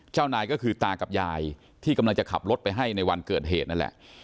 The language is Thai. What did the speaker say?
เจ้านายก็คือตากับยายที่กำลังจะขับรถไปให้ในวันเกิดเหตุนั่นแหละ